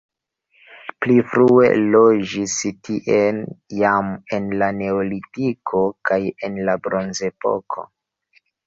Pli frue loĝis tie jam en la neolitiko kaj en la bronzepoko.